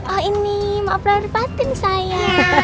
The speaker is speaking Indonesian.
oh ini maaf lahrah batin saya